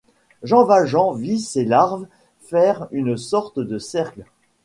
Jean Valjean vit ces larves faire une sorte de cercle.